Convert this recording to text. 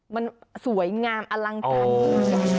มันสวยงามอลังการ